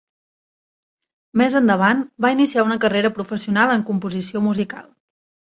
Més endavant va iniciar una carrera professional en composició musical.